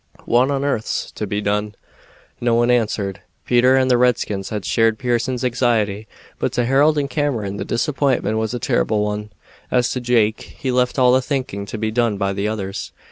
What on arth's to be done?" No one answered. Peter and the redskins had shared Pearson's anxiety, but to Harold and Cameron the disappointment was a terrible one; as to Jake, he left all the thinking to be done by the others.